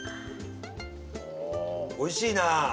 おいしいな！